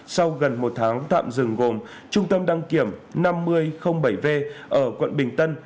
sau gần một tháng tạm dừng gồm trung tâm đăng kiểm năm mươi bảy v ở quận bình tân